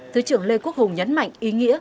thứ trưởng lê quốc hùng nhấn mạnh ý nghĩa